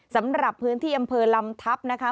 สำหรับพื้นที่อำเภอลำทัพนะคะ